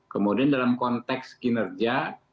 kemudian dalam konteks kinerja